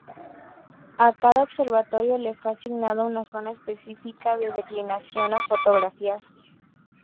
A cada observatorio le fue asignada una zona específica de declinación a fotografiar.